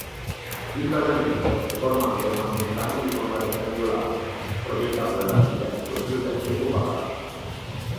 Il basamento è formato da una fontana di forma rettangolare progettata dall'architetto Giuseppe Bovara.